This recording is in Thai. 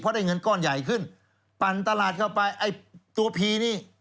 เพราะได้เงินก้อนใหญ่ขึ้นปั่นตลาดเข้าไปไอ้ตัวผีนี่